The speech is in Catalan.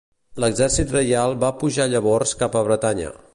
L'exèrcit reial va pujar llavors cap a Bretanya.